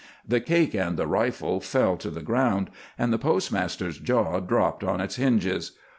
The cake and the rifle fell to the ground, and the postmaster's jaw dropped on its hinges.